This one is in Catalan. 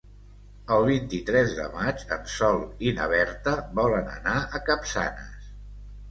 El vint-i-tres de maig en Sol i na Berta volen anar a Capçanes.